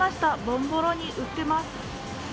ボンボローニ、売ってます。